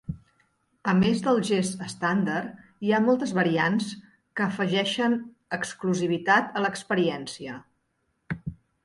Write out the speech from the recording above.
A més del gest estàndard, hi ha moltes variants que afegeixen exclusivitat a l'experiència.